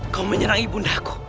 kau menyerang ibu unda